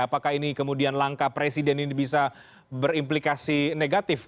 apakah ini kemudian langkah presiden ini bisa berimplikasi negatif